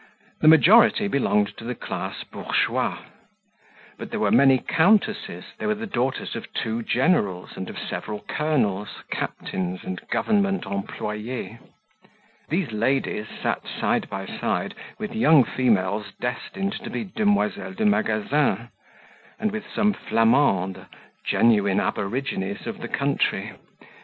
The majority belonged to the class bourgeois; but there were many countesses, there were the daughters of two generals and of several colonels, captains, and government EMPLOYES; these ladies sat side by side with young females destined to be demoiselles de magasins, and with some Flamandes, genuine aborigines of the country.